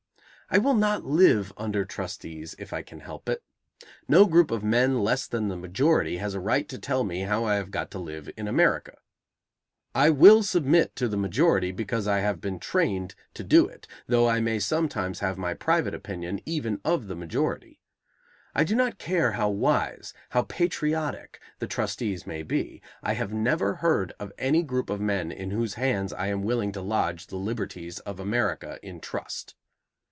I will not live under trustees if I can help it. No group of men less than the majority has a right to tell me how I have got to live in America. I will submit to the majority, because I have been trained to do it, though I may sometimes have my private opinion even of the majority. I do not care how wise, how patriotic, the trustees may be, I have never heard of any group of men in whose hands I am willing to lodge the liberties of America in trust.